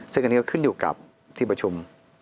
ซึ่งอันนี้ก็ขึ้นอยู่กับที่ประชุม